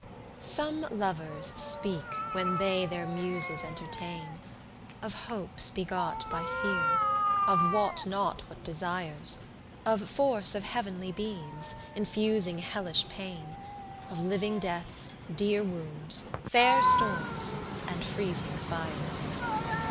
6 Some lovers speak when they their Muses entertain, Of hopes begot by fear, of wot not what desires: Of force of heav'nly beams, infusing hellish pain: Of living deaths, dear wounds, fair storms, and freezing fires.